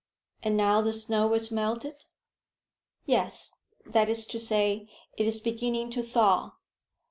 "And now the snow is melted?" "Yes, that is to say, it is beginning to thaw!"